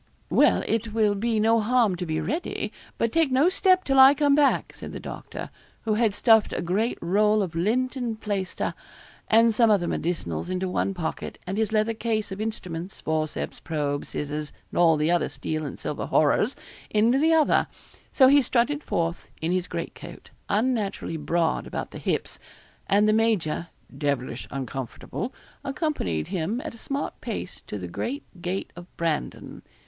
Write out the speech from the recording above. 'Well, it will be no harm to be ready; but take no step till I come back,' said the doctor, who had stuffed a great roll of lint and plaister, and some other medicinals, into one pocket, and his leather case of instruments, forceps, probe, scissors, and all the other steel and silver horrors, into the other; so he strutted forth in his great coat, unnaturally broad about the hips; and the major, 'devilish uncomfortable,' accompanied him at a smart pace to the great gate of Brandon.